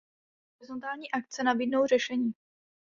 Horizontální akce nabídnou řešení.